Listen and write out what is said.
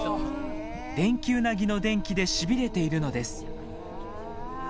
デンキウナギの電気でしびれているのです。